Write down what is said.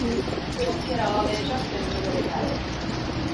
Çok kere ağlayacak derecelere geldim.